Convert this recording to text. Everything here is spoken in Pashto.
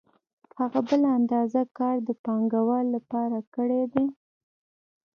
هغه بله اندازه کار د پانګوال لپاره کړی دی